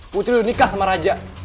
putri nikah sama raja